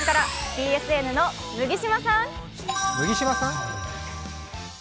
ＢＳＮの麦島さん。